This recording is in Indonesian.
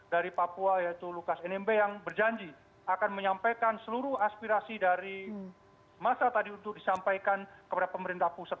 dari papua yaitu lukas nmb yang berjanji akan menyampaikan seluruh aspirasi dari masa tadi untuk disampaikan kepada pemerintah pusat